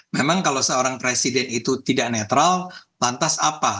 memang kalau seorang presiden itu tidak netral lantas apa